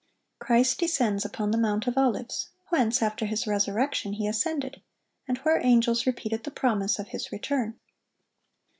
Christ descends upon the Mount of Olives, whence, after His resurrection, He ascended, and where angels repeated the promise of His return.